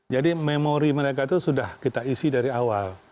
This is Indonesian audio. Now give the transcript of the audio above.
jadi memori mereka itu sudah kita isi dari awal